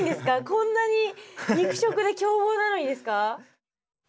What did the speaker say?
こんなに肉食で凶暴なのにですか？